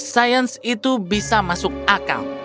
sains itu bisa masuk akal